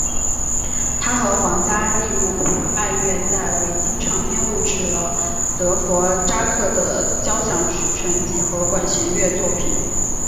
他和皇家利物浦爱乐在维京唱片录制了德佛札克的交响曲全集和管弦乐作品。